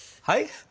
はい？